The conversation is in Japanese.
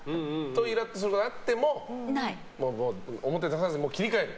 イラッとすることがあっても表に出さずに切り替える？